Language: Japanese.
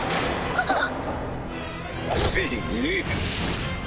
・あっ？